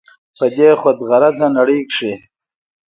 په دې خود غرضه نړۍ کښې